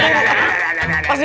ya allah kaki